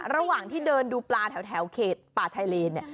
ระหว่างที่เดินดูปลาแถวเขตป่าชายเลนเนี่ย